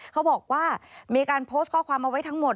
เขาบอกว่ามีการโพสต์ข้อความเอาไว้ทั้งหมด